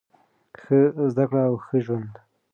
ښه زده کړه او ښه ژوند.